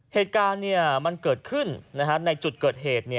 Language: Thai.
เหตุการณ์มันเกิดขึ้นในจุดเกิดเหตุ